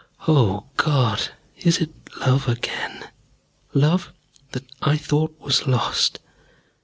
O God! It is love again, love that I thought was lost!